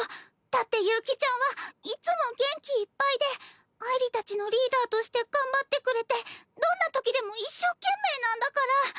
だって悠希ちゃんはいつも元気いっぱいであいりたちのリーダーとして頑張ってくれてどんなときでも一生懸命なんだから。